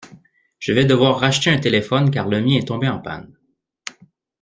Je vais devoir racheter un téléphone car le mien est tombé en panne.